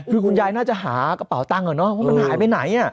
คือคุณย่ายน่าจะหากระเป๋าตังหรอเนอะว่ามันหายไปไหนอ่ะ